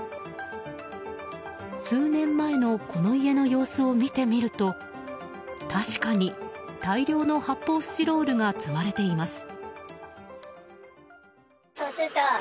数年前のこの家の様子を見てみると確かに大量の発泡スチロールが積まれています。